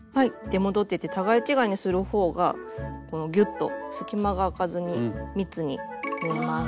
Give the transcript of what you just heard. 出戻ってて互い違いにするほうがギュッと隙間があかずに密に縫えます。